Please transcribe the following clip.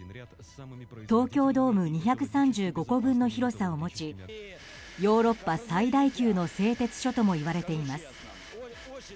東京ドーム２３５個分の広さを持ちヨーロッパ最大級の製鉄所ともいわれています。